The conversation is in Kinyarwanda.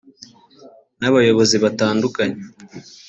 n’abayobozi batandukanye